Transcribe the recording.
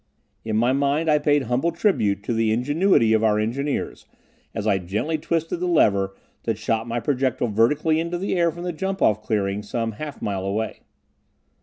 In my mind I paid humble tribute to the ingenuity of our engineers as I gently twisted the lever that shot my projectile vertically into the air from the jump off clearing some half mile away.